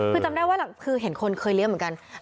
คือจำได้ว่าคือเห็นคนเคยเลี้ยงเหมือนกัน